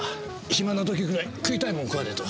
暇な時ぐらい食いたいもん食わねえと。